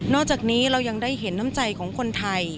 อกจากนี้เรายังได้เห็นน้ำใจของคนไทย